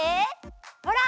ほら！